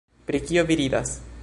Pri kio vi ridas?